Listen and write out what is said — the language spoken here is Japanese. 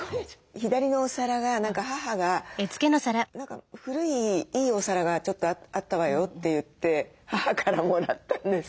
左のお皿が母が「何か古いいいお皿がちょっとあったわよ」といって母からもらったんです。